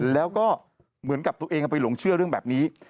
แล้วก็เหมือนกับตัวเองเอาไปหลงเชื่อเรื่องแบบนี้